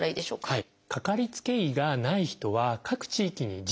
はい。